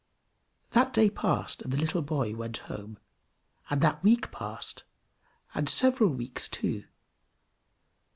That day passed, and the little boy went home, and that week passed, and several weeks too.